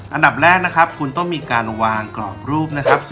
อันดับแรกนะครับคุณต้องมีการวางกรอบรูปนะครับ